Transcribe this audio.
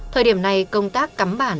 thời điểm này công tác cắm bản